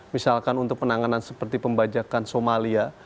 misalkan untuk penanganan seperti pembajakan somalia